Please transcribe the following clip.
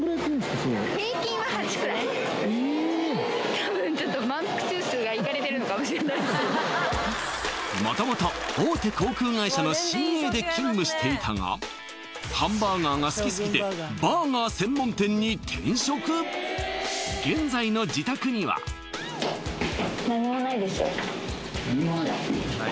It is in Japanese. たぶんちょっと元々大手航空会社のＣＡで勤務していたがハンバーガーが好きすぎてバーガー専門店に転職現在の何もないですね